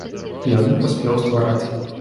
Ён не паспеў ствараць.